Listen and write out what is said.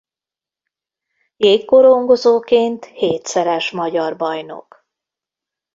Jégkorongozóként hétszeres magyar bajnok.